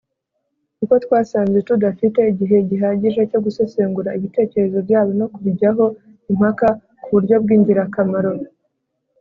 Kuko twasanze tudafite igihe gihagije cyo gusesengura ibitekerezo byabo no kubijyaho impaka ku buryo bw' ingirakamaro.